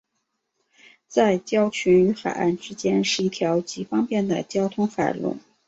在礁群与海岸之间是一条极方便的交通海路。